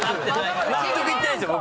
納得いってないんすよ